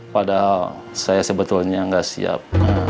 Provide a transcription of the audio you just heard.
padahal saya sebetulnya nggak siap